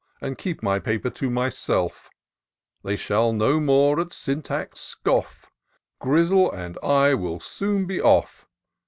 And keep my paper to myself; They shall no more at Syntax scoff; — Grizzle and I will soon be off.